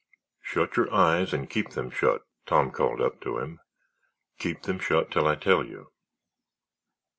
"Shut your eyes and keep them shut," Tom called up to him; "keep them shut till I tell you."